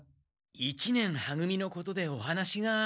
一年は組のことでお話が。